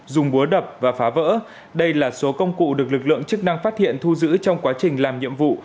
dùng búa đập và phá vỡ đây là số công cụ được lực lượng chức năng phát hiện thu giữ trong quá trình làm nhiệm vụ